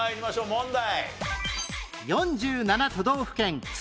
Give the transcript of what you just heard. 問題。